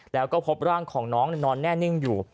แล้วก็พบร่างของน้องนอนแน่นิ่งอยู่